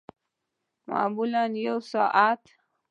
معمولاً یوه ساعت